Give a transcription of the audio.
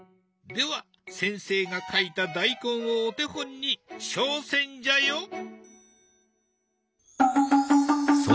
では先生が描いた大根をお手本に挑戦じゃよ！